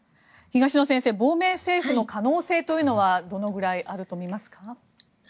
東野先生亡命政府の可能性というのはどのくらいあると思いますか。